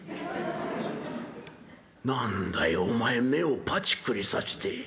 「何だいお前目をパチクリさして。